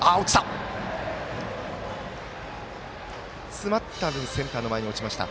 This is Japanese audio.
詰まった分センターの前に落ちました。